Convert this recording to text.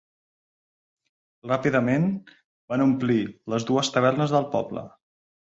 Ràpidament van omplir les dues tavernes del poble.